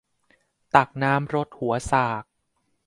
ตักน้ำรดหัวสาก